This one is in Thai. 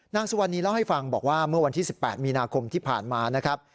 นางสุวรรณีเล่าให้ฟังบอกว่าเมื่อวันที่๑๘มีนาคมที่ผ่านมานะครับ